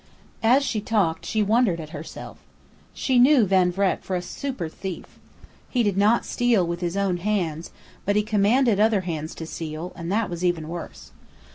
As she talked she wondered at herself. She knew Van Vreck for a super thief. He did not steal with his own hands, but he commanded other hands to steal, and that was even worse.